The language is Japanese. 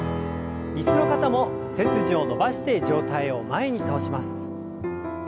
椅子の方も背筋を伸ばして上体を前に倒します。